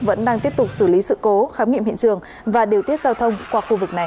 vẫn đang tiếp tục xử lý sự cố khám nghiệm hiện trường và điều tiết giao thông qua khu vực này